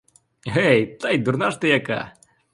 Гей, та й дурна ж ти яка!